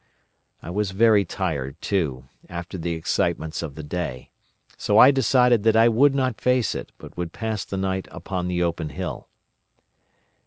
I was very tired, too, after the excitements of the day; so I decided that I would not face it, but would pass the night upon the open hill.